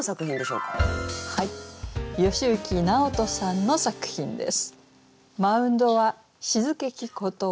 吉行直人さんの作品です。